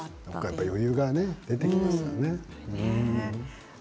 やっぱり余裕が出てきますよね。